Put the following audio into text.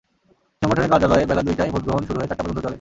সংগঠনের কার্যালয়ে বেলা দুইটায় ভোট গ্রহণ শুরু হয়ে চারটা পর্যন্ত চলে।